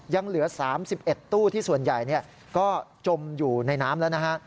ยังเหลือ๓๑ตู้ที่ส่วนใหญ่ก็จมอยู่ในน้ำแล้วนะฮะ